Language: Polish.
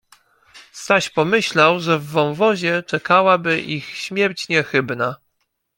Staś pomyślał, że w wąwozie czekałaby ich śmierć niechybna.